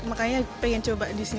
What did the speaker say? makanya pengen coba di sini